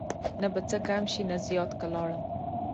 نه به څه کم شي نه زیات که لاړم